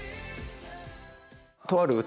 とある歌